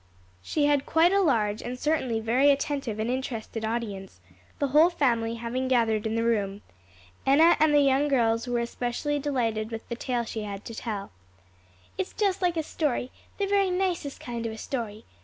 She had quite a large and certainly very attentive and interested audience, the whole family having gathered in the room. Enna and the young girls were especially delighted with the tale she had to tell. "It's just like a story the very nicest kind of a story!"